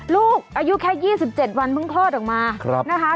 ลูกอายุแค่๒๗วันเพิ่งคลอดออกมานะคะ